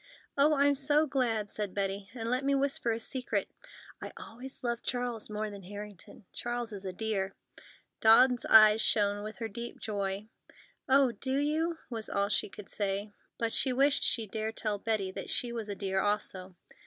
"Oh, I'm so glad!" said Betty. "And let me whisper a secret: I always loved Charles more than Harrington. Charles is a dear!" Dawn's eyes shone with her deep joy. "Oh, do you?" was all she could say, but she wished she dared tell Betty that she was a dear also.